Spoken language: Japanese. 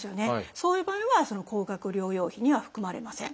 そういう場合はその高額療養費には含まれません。